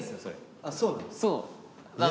あっそうなの？